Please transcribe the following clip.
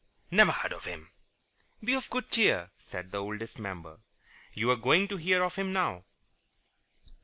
"Never heard of him." "Be of good cheer," said the Oldest Member. "You are going to hear of him now."